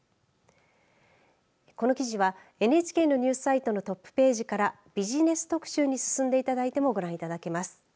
この記事はＮＨＫのニュースサイトのトップページからビジネス特集に進んでいただいてもご覧いただけます。